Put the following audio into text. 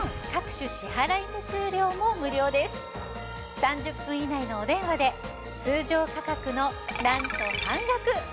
３０分以内のお電話で通常価格のなんと半額。